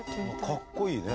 かっこいいね。